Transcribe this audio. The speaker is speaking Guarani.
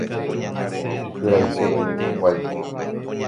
Ikyraiterei hikuái.